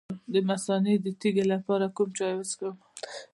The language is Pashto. د مثانې د تیږې لپاره کوم چای وڅښم؟